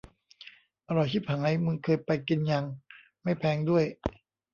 อร่อยชิบหาย มึงเคยไปกินยัง ไม่แพงด้วย